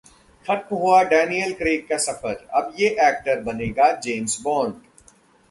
खत्म हुआ Daniel Craig का सफर, अब ये एक्टर बनेगा 'जेम्स बॉन्ड'!